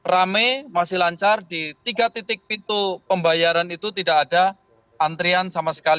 rame masih lancar di tiga titik pintu pembayaran itu tidak ada antrian sama sekali